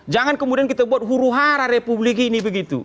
jangan kemudian kita buat huru hara republik ini begitu